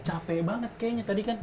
capek banget kayaknya tadi kan